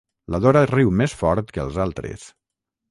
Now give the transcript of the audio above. La Dora riu més fort que els altres.